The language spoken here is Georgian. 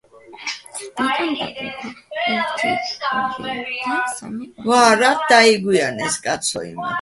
ნიკამ დაკრიფა ერთი, ორი და სამი ყვავილი.